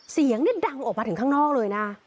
เสียงนี่ดังออกมาถึงข้างนอกเลยนะ